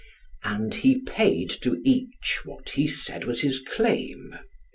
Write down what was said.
And he paid to each what he said was his claim.